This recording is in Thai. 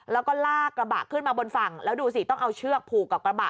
แล้วก็ลากกระบะขึ้นมาบนฝั่งแล้วดูสิต้องเอาเชือกผูกกับกระบะ